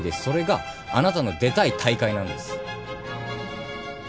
それがあなたの出たい大会なんです。